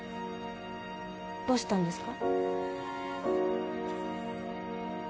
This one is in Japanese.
どうしたんですか？